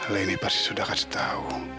leni pasti sudah kasih tau